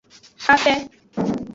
Fafe.